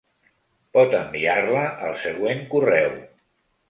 Pot enviar-la al següent correu:.